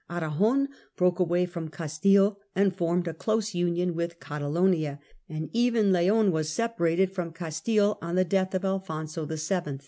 Aragon broke away from Castile and formed a close union with Catalonia, and even Leon was separated from Castile on the death of Alfonso VII.